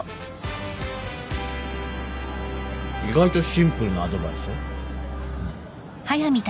意外とシンプルなアドバイス。